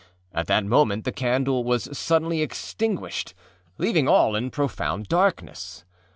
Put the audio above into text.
At that moment the candle was suddenly extinguished, leaving all in profound darkness.